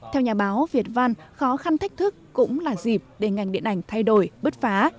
theo nhà báo việt văn khó khăn thách thức cũng là dịp để ngành điện ảnh thay đổi bứt phá